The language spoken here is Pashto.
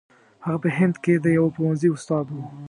هغه په هند کې د یوه پوهنځي استاد وو.